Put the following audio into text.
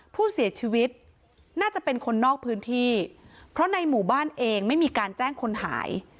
ผู้เสียชีวิตน่าจะเป็นคนนอกพื้นที่เพราะในหมู่บ้านเองไม่มีการแจ้งคนหาย